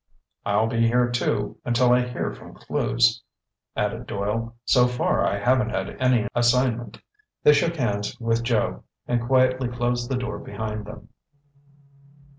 "I'll be here, too, until I hear from Clewes," added Doyle. "So far I haven't had any assignment." They shook hands with Joe, and quietly closed the door behind them.